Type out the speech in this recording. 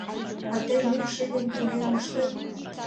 — А тый мӱкш игым поген моштет?